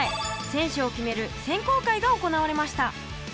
選手を決める選考会が行われました！